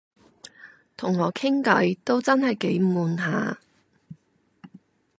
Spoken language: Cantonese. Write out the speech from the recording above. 同我傾偈都真係幾悶下